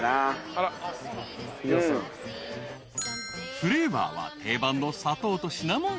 ［フレーバーは定番の砂糖とシナモンシュガー］